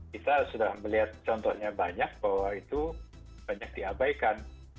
kita sudah melihat contohnya banyak bahwa itu banyak diabaikan